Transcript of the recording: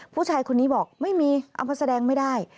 ผู้ชายคนนี้บอกไม่มีเอามาแสดงไม่ได้